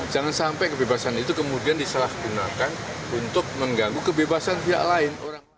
jangan sampai kebebasan itu kemudian disalahgunakan untuk mengganggu kebebasan pihak lain